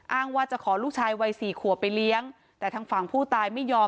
ว่าจะขอลูกชายวัยสี่ขวบไปเลี้ยงแต่ทางฝั่งผู้ตายไม่ยอม